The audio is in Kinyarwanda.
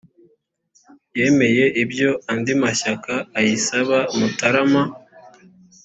yemeye ibyo andi mashyaka ayisaba mutarama